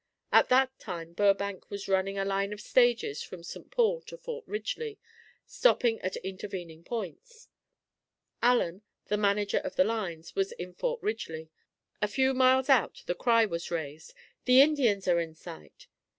At that time Burbank was running a line of stages from St. Paul to Fort Ridgely, stopping at intervening points. Allen, the manager of the lines, was in Fort Ridgely. A few miles out the cry was raised, "The Indians are in sight."